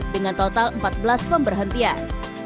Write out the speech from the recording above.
dengan total empat belas pemberhentian